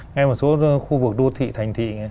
ngay một số khu vực đô thị thành thị